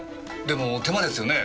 でも手間ですよね。